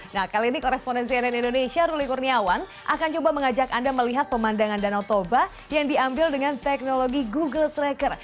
nah kali ini korespondensi nn indonesia ruli kurniawan akan coba mengajak anda melihat pemandangan danau toba yang diambil dengan teknologi google tracker